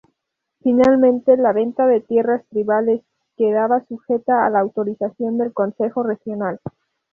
Finalmente la venta de tierras tribales quedaba sujeta a la autorización del consejo regional.